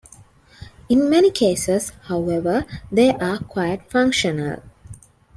In many cases however, they are quite functional.